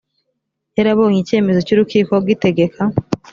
yarabonye icyemezo cy urukiko gitegeka